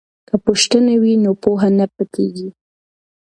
که پوښتنه وي نو پوهه نه پټیږي.